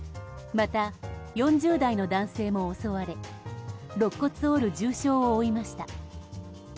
また、４０代の男性も襲われろっ骨を折る重傷を負いました。